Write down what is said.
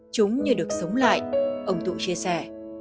chúng như được sống lại ông tụ chia sẻ